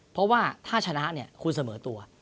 เพราะว่าถ้าชนะคุณเสมอตัว